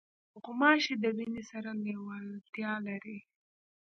غوماشې د وینې سره لیوالتیا لري.